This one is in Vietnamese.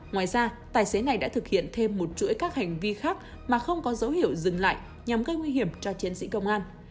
ngoài ra tài xế này đã thực hiện thêm một chuỗi các hành vi khác mà không có dấu hiệu dừng lại nhằm gây nguy hiểm cho chiến sĩ công an